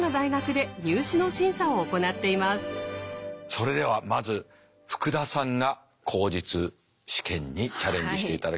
それではまず福田さんが口述試験にチャレンジしていただきます。